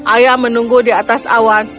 ayah menunggu di atas awan